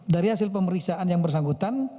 dari hasil pemeriksaan yang bersangkutan